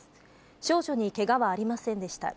少女にけがはありませんでした。